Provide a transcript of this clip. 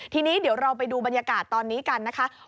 ทีนี้เดี๋ยวเราไปดูบรรยากาศตอนนี้กันนะคะ